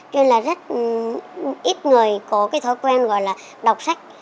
cho nên là rất ít người có cái thói quen gọi là đọc sách